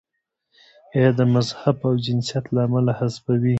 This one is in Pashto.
یا یې د مذهب او جنسیت له امله حذفوي.